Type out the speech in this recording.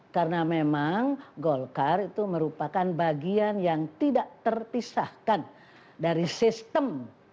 karena memang golkar itu merupakan bagian yang tidak terpisahkan dari sistem